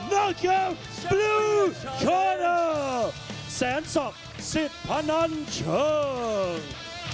ภาพหนุ่มแซนซอฟสิทธิ์พันันช่วง